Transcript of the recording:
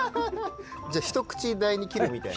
一口大に切るみたいな。